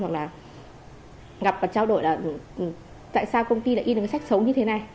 hoặc là gặp và trao đổi là tại sao công ty lại in được cái sách sống như thế này